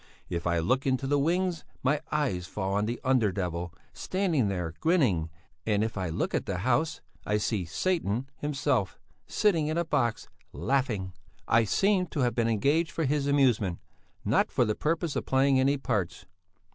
If I look into the wings, my eyes fall on the under devil, standing there, grinning, and if I look at the house, I see Satan himself sitting in a box, laughing. "I seem to have been engaged for his amusement, not for the purpose of playing any parts.